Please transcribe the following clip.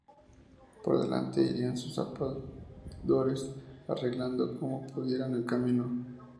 Por delante irían sus zapadores arreglando como pudieran el camino.